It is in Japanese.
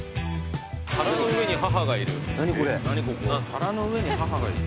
「皿の上に母がいる」